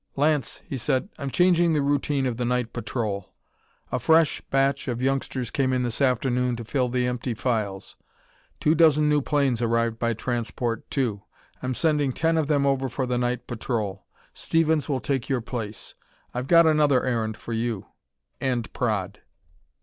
"Lance," he said, "I'm changing the routine of the night patrol. A fresh batch of youngsters came in this afternoon to fill the empty files; two dozen new planes arrived by transport, too. I'm sending ten of them over for the night patrol; Stephens will take your place. I've got another errand for you and Praed."